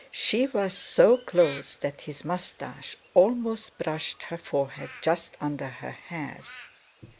She was so close that his moustache almost brushed her forehead, just under her hair.